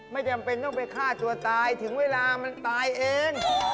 ไม่จำเป็นต้องไปฆ่าตัวตายถึงเวลามันตายเอง